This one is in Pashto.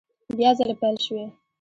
بیا ځلي پیل شوې